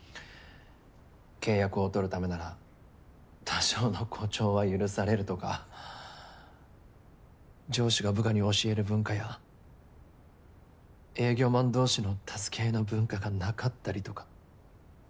契約を取るためなら多少の誇張は許されるとか上司が部下に教える文化や営業マン同士の助け合いの文化がなかったりとか。